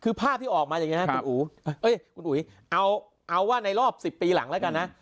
คือภาพที่ออกมาอย่างนี้นะคุณอุ๋ยคุณอุ๋ยเอาว่าในรอบ๑๐ปีหลังแล้วกันนะ